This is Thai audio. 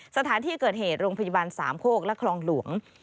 สถานที่เกิดเหตุโรงพยาบาลสามโคกและคลองหลวง